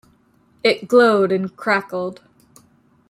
It glowed and crackled.